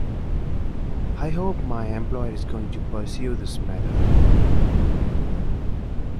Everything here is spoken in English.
I hope my employer is going to pursue this matter.